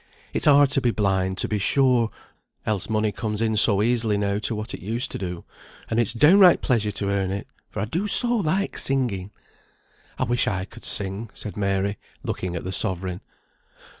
It's hard to be blind, to be sure, else money comes in so easily now to what it used to do; and it's downright pleasure to earn it, for I do so like singing." "I wish I could sing," said Mary, looking at the sovereign.